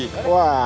wah miskin dia kan